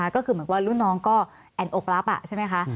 ก็คือเหมือนว่ารุ่นน้องก็แอ่นอกรับใช่ไหมคะ